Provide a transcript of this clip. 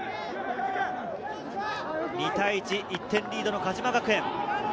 ２対１、１点リードの鹿島学園。